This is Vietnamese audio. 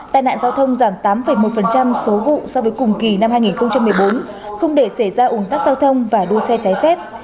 tai nạn giao thông giảm tám một số vụ so với cùng kỳ năm hai nghìn một mươi bốn không để xảy ra ủng tắc giao thông và đua xe trái phép